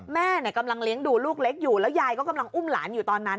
แม่กำลังเลี้ยงดูลูกเล็กอยู่แล้วยายก็กำลังอุ้มหลานอยู่ตอนนั้น